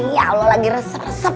iya allah lagi resep resep